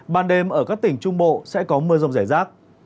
ban đêm ở các tỉnh trung bộ sẽ có mưa rông rải rác